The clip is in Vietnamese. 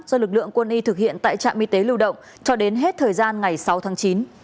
do lực lượng quân y thực hiện tại trạm y tế lưu động cho đến hết thời gian ngày sáu tháng chín